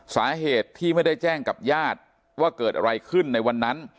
สาเหตุที่ไม่ได้แจ้งกับญาติว่าเกิดอะไรขึ้นในวันนั้น